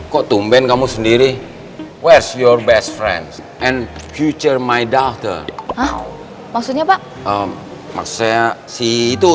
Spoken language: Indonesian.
kok tumben kamu sendiri where's your best friend and future my daughter maksudnya pak maksudnya si itu